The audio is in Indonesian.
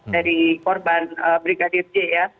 dari korban brigadir j